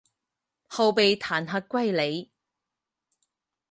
后被弹劾归里。